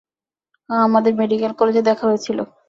হ্যাঁ, আমাদের মেডিকেল কলেজে দেখা হয়েছিলো।